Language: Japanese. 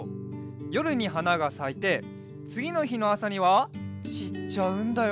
よるにはながさいてつぎのひのあさにはちっちゃうんだよ。